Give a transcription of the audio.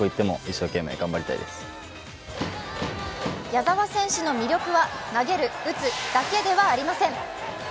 矢澤選手の魅力は投げる・打つだけではありません。